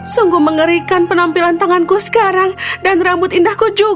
sungguh mengerikan penampilan tanganku sekarang dan rambut indahku juga